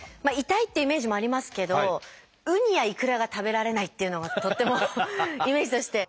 「痛い」っていうイメージもありますけどウニやイクラが食べられないっていうのがとってもイメージとして。